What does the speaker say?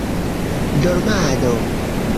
dormado